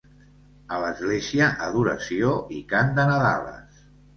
A l'església, adoració i cant de nadales.